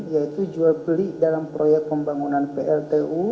yaitu jual beli dalam proyek pembangunan pltu